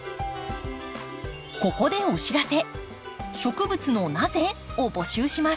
ここでお知らせ。